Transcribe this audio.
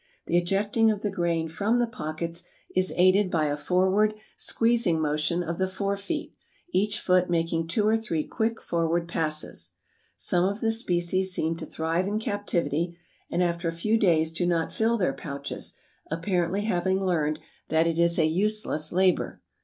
The ejecting of the grain from the pockets is aided by a forward, squeezing motion of the fore feet, each foot making two or three quick forward passes. Some of the species seem to thrive in captivity, and after a few days do not fill their pouches, apparently having learned that it is a useless labor.